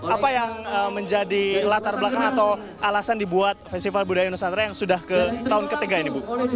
apa yang menjadi latar belakang atau alasan dibuat festival budaya nusantara yang sudah ke tahun ketiga ini bu